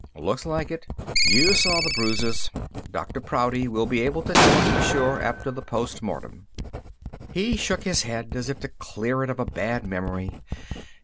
"Looks like it. You saw the bruises. Dr. Prouty will be able to tell us for sure after the post mortem." He shook his head as if to clear it of a bad memory.